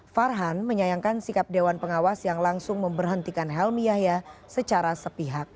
farhan menyayangkan sikap dewan pengawas yang langsung memberhentikan helmi yahya secara sepihak